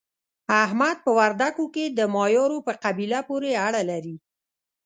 احمد په وردګو کې د مایارو په قبیله پورې اړه لري.